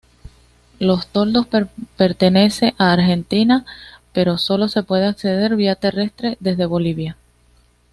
Los Toldos pertenece a Argentina pero solo se puede acceder via terrestre desde Bolivia.